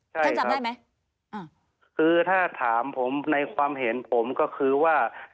ใช่ครับถ้าถามผมในความเห็นผมก็คือว่า